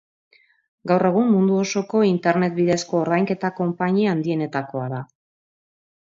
Gaur egun mundu osoko internet bidezko ordainketa konpainia handienetakoa da.